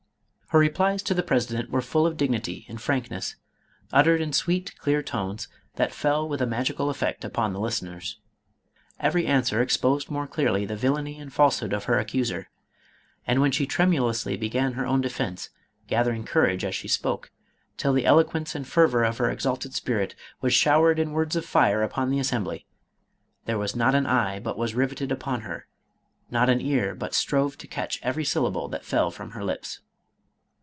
Her replies to the president were full of dignity and frankness, uttered in sweet clear tones that fell with a magical effect upon the listeners. Every answer exposed more clearly the villany and falsehood of her accuser, ai^l when she tremulously began her own defence, gathering courage as she spoke, till the eloquence and fervor of her ex alted spirit was showered in words of fire upon the Assembly, there was not an eye but was riveted upon her, not an ear but strove to catch every syllable that fell from her lips.